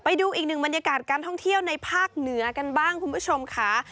ไปดูอีกหนึ่งบรรยากาศการท่องเที่ยวในภาคเหนือกันบ้างคุณผู้ชมค่ะ